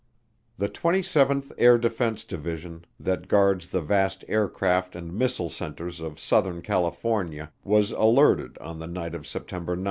The 27th Air Defense Division that guards the vast aircraft and missile centers of Southern California was alerted on the night of September 9.